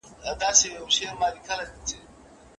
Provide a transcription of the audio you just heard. تر نامه به یې جاریږي له بګړۍ تر لونګینه